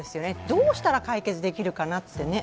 どうしたら解決できるかなってね。